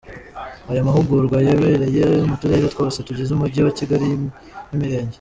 Aya mahugurwa yabereye muturere twose tugize Umujyi wa Kigali n'Imirenge.